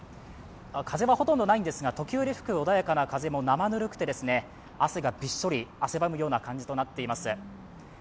風はほとんどないんですが時折吹く穏やかな風もなまぬるくて、汗がびっしょり汗ばむような感じとなっております。